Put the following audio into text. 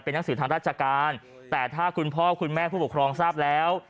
หนังสือทางราชการแต่ถ้าคุณพ่อคุณแม่ผู้ปกครองทราบแล้ว